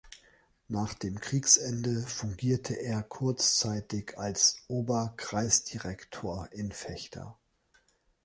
Nach dem Kriegsende fungierte er kurzzeitig als Oberkreisdirektor in Vechta.